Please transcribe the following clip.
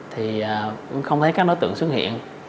thì không thấy các đối tượng xuất hiện